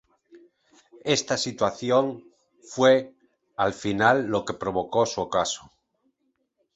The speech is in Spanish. Esta situación fue, al final, la que provocó su ocaso.